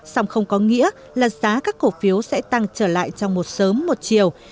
song không có nghĩa là giá các cổ phiếu sẽ tăng trở lại trong một sớm một chiều